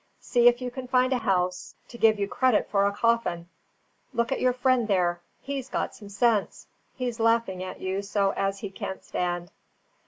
See if you can find a house to give you credit for a coffin! Look at your friend there; HE'S got some sense; he's laughing at you so as he can't stand."